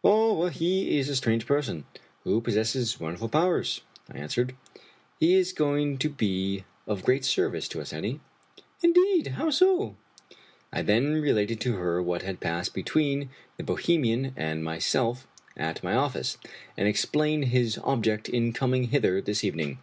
" He is a strange person, who possesses wonderful powers," I answered ;" he is going to be of great service to us, Annie." "Indeed! how so?" I then related to her what had passed between the Bohemian and myself at my office, and explained his ob ject in coming hither this evening.